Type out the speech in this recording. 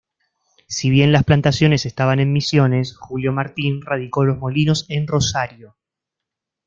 Si bien las plantaciones estaban en Misiones, Julio Martín radicó los molinos en Rosario.